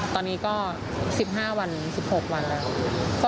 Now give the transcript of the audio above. ตอนนี้ก็๑๕วัน๑๖วันแล้ว